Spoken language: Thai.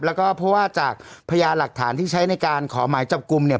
แล้วก็เพราะว่าจากพยานหลักฐานที่ใช้ในการขอหมายจับกลุ่มเนี่ย